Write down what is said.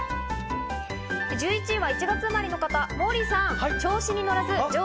１１位は１月生まれの方、モーリーさん。